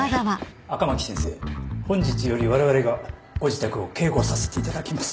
赤巻先生本日よりわれわれがご自宅を警護させていただきます。